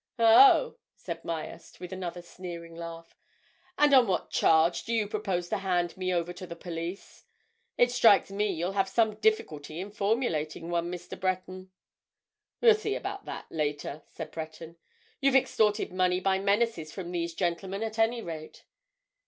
"Oh!" said Myerst, with another sneering laugh. "And on what charge do you propose to hand me over to the police? It strikes me you'll have some difficulty in formulating one, Mr. Breton." "Well see about that later," said Breton. "You've extorted money by menaces from these gentlemen, at any rate."